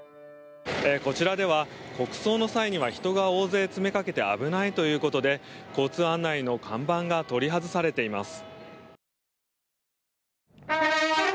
こちらでは国葬の際には人が大勢詰めかけて危ないということで交通案内の看板が取り外されています。